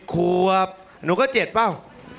๗ขวบนุ๊กก็๗เปล่า